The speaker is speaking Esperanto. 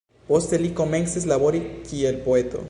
Poste, li komencis labori kiel poeto.